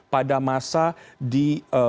pada masa di